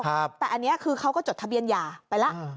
แต่อันนี้คือเขาก็จดทะเบียนหย่าไปแล้ว